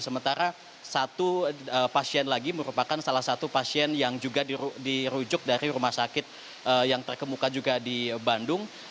sementara satu pasien lagi merupakan salah satu pasien yang juga dirujuk dari rumah sakit yang terkemuka juga di bandung